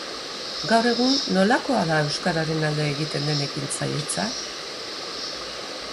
Gaur egun, nolakoa da euskararen alde egiten den ekintzailetza?